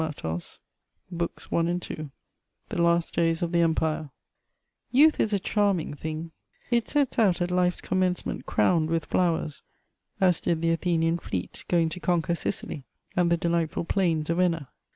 B. PART THE THIRD 1814 1830 BOOKS I AND II The last days of the Empire Youth is a charming thing: it sets out at life's commencement crowned with flowers, as did the Athenian fleet going to conquer Sicily and the delightful plains of Enna.